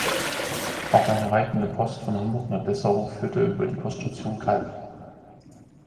Auch eine reitende Post von Hamburg nach Dessau führte über die Poststation Kalbe.